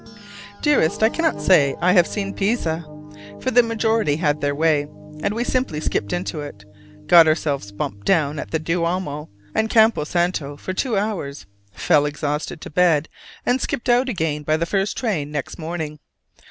Dearest: I cannot say I have seen Pisa, for the majority had their way, and we simply skipped into it, got ourselves bumped down at the Duomo and Campo Santo for two hours, fell exhausted to bed, and skipped out again by the first train next morning.